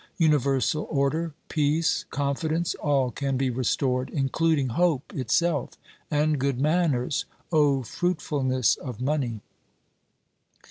Universal order, peace, confidence, all can be restored, including hope itself and good manners, O fruitfulness of money